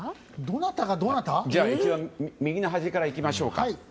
一番右の端からいきましょう。